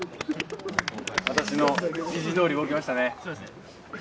私の指示通り動きましたね。